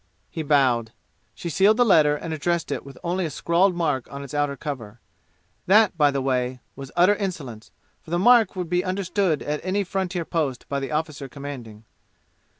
He bowed. She sealed the letter and addressed it with only a scrawled mark on its outer cover. That, by the way, was utter insolence, for the mark would be understood at any frontier post by the officer commanding.